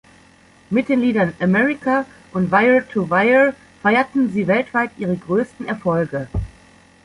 Mit den Liedern America und Wire to Wire feierten sie weltweit ihre größten Erfolge.